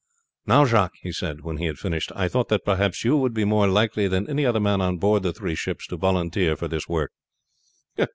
"Now Jacques," he said when he had finished, "I thought that perhaps you would be more likely than any other man on board the three ships to volunteer for this work."